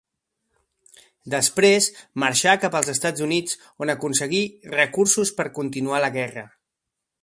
Després marxà cap als Estats Units on aconseguí recursos per continuar la guerra.